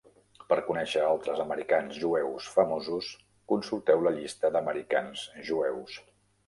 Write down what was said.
Per conèixer altres americans jueus famosos, consulteu la llista d'americans jueus.